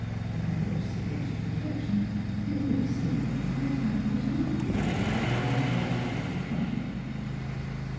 By which sagacious reflection it will be seen that the Viscouj) ■was not without the Paulyn virtue of economy.